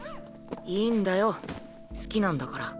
いいんだよ好きなんだから。